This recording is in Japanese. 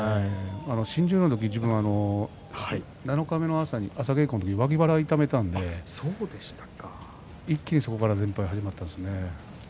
新十両の時自分は七日目の朝稽古の時に脇腹を痛めたので一気にそこから連敗が始まったんですね。